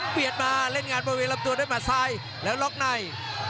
มาเล่นงานบริเวณลำตัวด้วยหมัดซ้ายแล้วล็อกใน